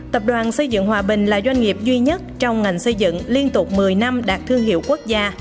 tập đoàn xây dựng hòa bình là doanh nghiệp duy nhất trong ngành xây dựng liên tục một mươi năm đạt thương hiệu quốc gia